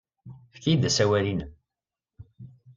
Efk-iyi-d asawal-nnem.